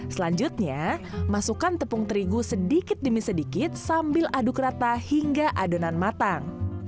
selanjutnya masukkan tepung terigu sedikit demi sedikit sambil aduk rata hingga adonan matang